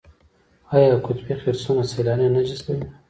آیا قطبي خرسونه سیلانیان نه جذبوي؟